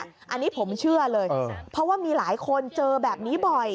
อันนี้ผมเชื่อเลยเพราะว่ามีหลายคนเจอแบบนี้บ่อย